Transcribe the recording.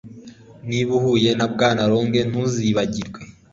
Niba uhuye na Bwana Long ntuzibagirwe